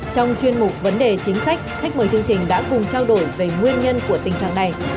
trong chuyên mục vấn đề chính sách khách mời chương trình đã cùng trao đổi về nguyên nhân của tình trạng này